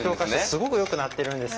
すごくよくなってるんです。